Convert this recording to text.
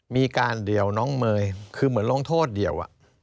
มีการเดี่ยวน้องเมย์คือเหมือนลงโทษเดี่ยว